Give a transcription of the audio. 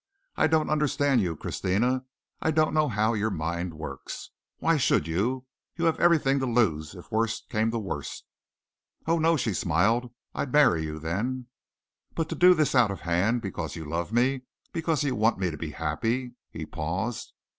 "I don't understand you, Christina. I don't know how your mind works. Why should you? You have everything to lose if worst came to worst." "Oh, no," she smiled. "I'd marry you then." "But to do this out of hand, because you love me, because you want me to be happy!" he paused.